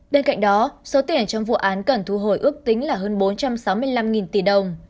bên cạnh đó số tiền trong vụ án cần thu hồi ước tính là hơn bốn trăm sáu mươi năm tỷ đồng